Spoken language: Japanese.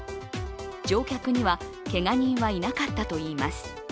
乗客にはけが人はいなかったといいます。